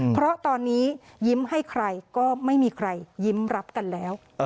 เพราะตอนนี้ยิ้มให้ใครก็ไม่มีใครยิ้มรับกันแล้ว